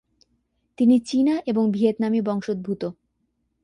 তিনি চীনা এবং ভিয়েতনামী বংশোদ্ভূত।